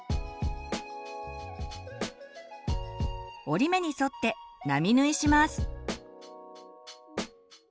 折り目に沿って並縫いします。